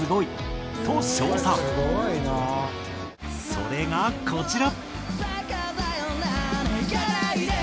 それがこちら。